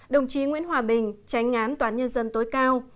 đồng chí nguyễn hòa bình tránh án toán nhân dân tối cao